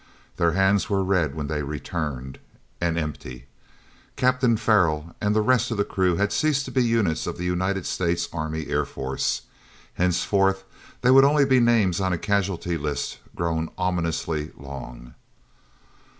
Their hands were red when they returned—and empty. Captain Farrell and the rest of the crew had ceased to be units of the United States Army Air Force; henceforth they would be only names on a casualty list grown ominously long.